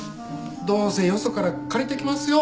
どうせよそから借りてきますよ